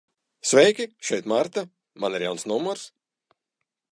Sveiki, šeit Marta. Man ir jauns numurs.